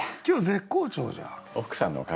今日絶好調じゃん。